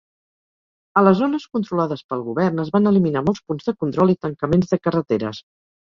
A les zones controlades pel govern, es van eliminar molts punts de control i tancaments de carreteres.